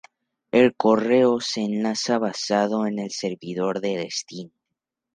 El correo se enlaza basado en el servidor de destino.